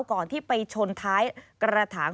ก่อนที่ไปชนท้ายกระถาง